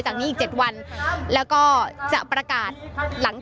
อย่างที่บอกไปว่าเรายังยึดในเรื่องของข้อ